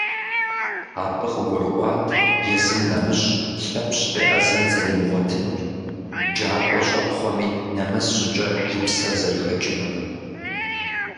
Абы къыгурыӀуат езым нэмыщӀ Лъэпщ къеӀэзэн зэримыгъуэтынур, джакӀуэ щӀэпхъуэми, нэмыс щӀыкӀэ, и псэр зэрыхэкӀынур.